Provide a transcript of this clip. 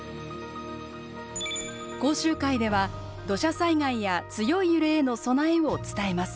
講習会では土砂災害や強い揺れへの備えを伝えます。